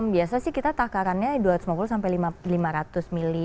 biasa sih kita takarannya dua ratus lima puluh sampai lima ratus ml